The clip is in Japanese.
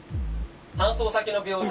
搬送先の病院。